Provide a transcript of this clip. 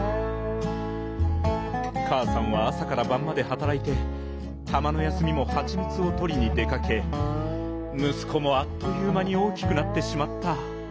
かあさんはあさからばんまではたらいてたまの休みもハチミツをとりに出かけむすこもあっというまに大きくなってしまった。